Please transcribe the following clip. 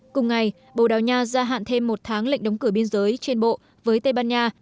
cùng ngày bồ đào nha gia hạn thêm một tháng lệnh đóng cửa biên giới trên bộ với tây ban nha